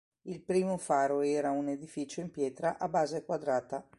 Il primo faro era un edificio in pietra a base quadrata.